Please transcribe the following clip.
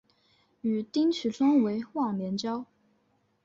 与丁取忠为忘年交。